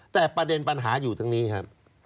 แต่ประเด็นปัญหาอยู่ทั้งนี้ครับ